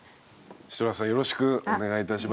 シトラスさんよろしくお願いいたします。